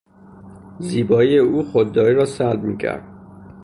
زیبایی او خودداری را سلب میکرد.